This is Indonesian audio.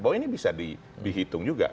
bahwa ini bisa dihitung juga